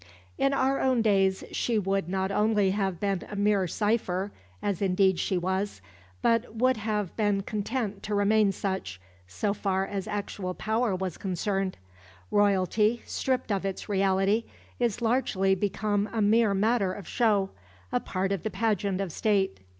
In our own days she would not only have been a mere cipher as indeed she was but would have been content to remain such, so far as actual power was concerned. Royalty, stripped of its reality, is largely become a mere matter of show, a part of the pageant of State.